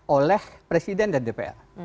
oleh presiden dan dpr